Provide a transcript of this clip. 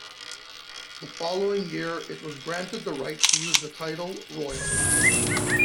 The following year it was granted the right to use the title "Royal".